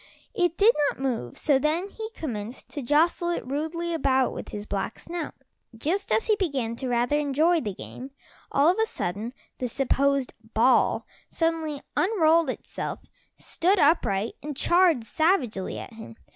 It did not move, so then he commenced to jostle it rudely about with his black snout. Just as he was beginning to rather enjoy the game, all of a sudden the supposed ball suddenly unrolled itself, stood upright and charged savagely at him.